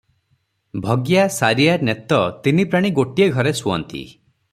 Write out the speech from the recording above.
ଭଗିଆ, ସାରିଆ, ନେତ ତିନି ପ୍ରାଣୀ ଗୋଟିଏ ଘରେ ଶୁଅନ୍ତି ।